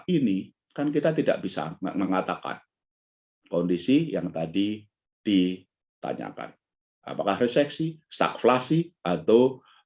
ini kan kita tidak bisa mengatakan kondisi yang tadi ditanyakan apakah reseksi stakflasi atau